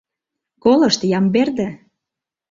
Колышт, Ямберде!